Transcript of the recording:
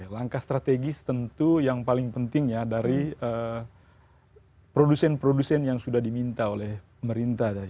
langkah strategis tentu yang paling penting ya dari produsen produsen yang sudah diminta oleh pemerintah